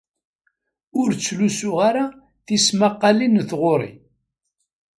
Ur ttlusuɣ ara tismaqqalin n tɣuri.